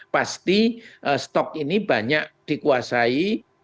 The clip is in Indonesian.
pasti stok ini banyak dikuasai